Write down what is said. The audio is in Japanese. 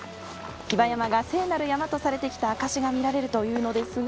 比婆山が聖なる山とされてきた証しが見られるというのですが。